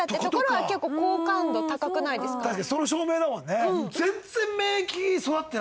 確かにその証明だもんね。